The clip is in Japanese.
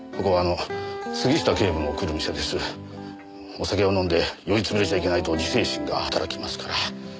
お酒を飲んで酔い潰れちゃいけないと自制心が働きますから。